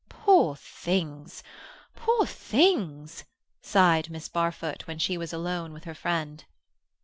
"Poor things! Poor things!" sighed Miss Barfoot, when she was alone with her friend.